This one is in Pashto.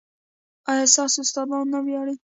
ایا ستاسو استادان نه ویاړي؟